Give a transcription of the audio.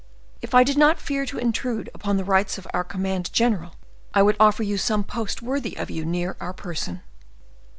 If I did not fear to intrude upon the rights of our command general, I would offer you some post worthy of you near our person."